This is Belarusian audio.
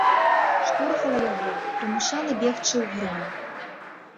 Штурхала яго, прымушала бегчы ўгрунь.